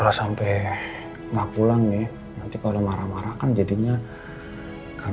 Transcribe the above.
kalau sampai nggak pulang nih nanti kalau marah marah kan jadinya kamu nanti kepikiran